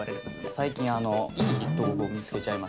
最近あのいい道具を見つけちゃいまして。